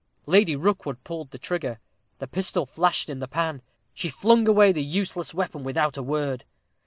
Lady Rookwood pulled the trigger. The pistol flashed in the pan. She flung away the useless weapon without a word.